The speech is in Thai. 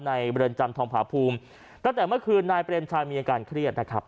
บริเวณจำทองผาภูมิตั้งแต่เมื่อคืนนายเปรมชัยมีอาการเครียดนะครับ